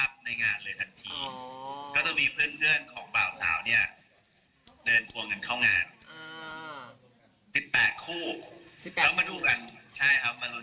พอนักสร้างจบปุ๊บ